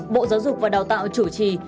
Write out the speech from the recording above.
bộ giáo dục và đào tạo chủ trì